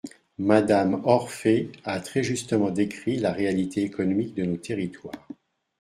Madame Orphé a très justement décrit la réalité économique de nos territoires.